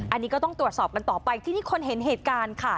อันนี้ก็ต้องตรวจสอบกันต่อไปทีนี้คนเห็นเหตุการณ์ค่ะ